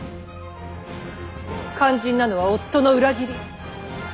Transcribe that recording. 肝心なのは夫の裏切り！